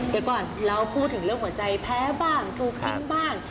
เดี๋ยวก่อนเราพูดถึงเรื่องหัวใจแพ้บ้างถูกทิ้งบ้าง